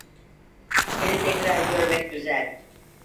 Seni tekrar görmek güzel.